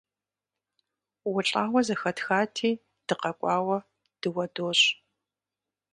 УлӀауэ зэхэтхати, дыкъэкӀуауэ дыуэ дощӀ.